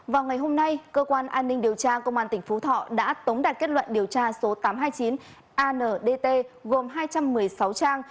vào ngày hôm nay cơ quan an ninh điều tra công an tỉnh phú thọ đã tống đạt kết luận điều tra số tám trăm hai mươi chín andt gồm hai trăm một mươi sáu trang